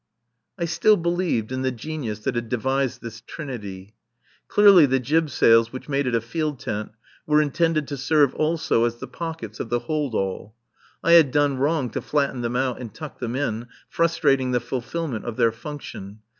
I still believed in the genius that had devised this trinity. Clearly the jib sails which made it a field tent were intended to serve also as the pockets of the hold all. I had done wrong to flatten them out and tuck them in, frustrating the fulfilment of their function.